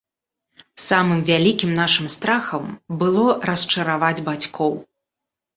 Самым вялікім нашым страхам было расчараваць бацькоў.